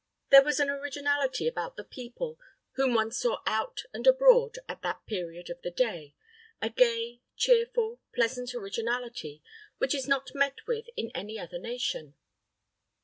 There was an originality about the people whom one saw out and abroad at that period of the day a gay, cheerful, pleasant originality which is not met with in any other nation.